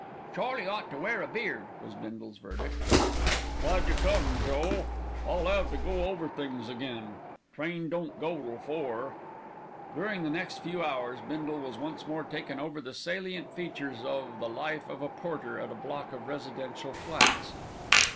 "Charlie ought to wear a beard," was Bindle's verdict. "Glad you come, Joe. I'll 'ave time to go over things again. Train don't go till four." During the next few hours Bindle was once more taken over the salient features of the life of a porter at a block of residential flats.